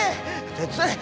手伝え！